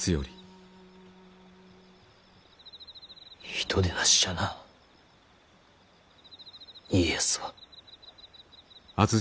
人でなしじゃな家康は。